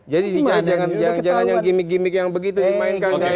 jadi jangan jangan gimmick gimmick yang begitu dimainkan